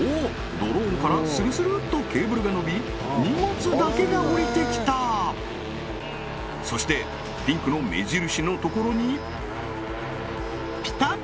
ドローンからスルスルっとケーブルが伸び荷物だけが下りてきたそしてピンクの目印のところにピタッ！